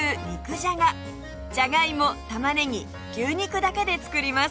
じゃがいも玉ねぎ牛肉だけで作ります